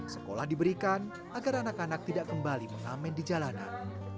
sekolah diberikan agar anak anak tidak kembali mengamen di jalanan